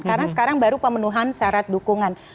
karena sekarang baru pemenuhan syarat dukungan